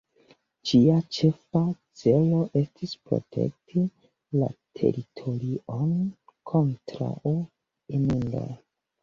Ĝia ĉefa celo estis protekti la teritorion kontraŭ inundoj.